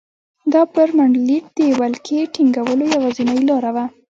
دا پر منډلینډ د ولکې ټینګولو یوازینۍ لاره وه.